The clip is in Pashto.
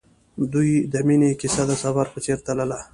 د دوی د مینې کیسه د سفر په څېر تلله.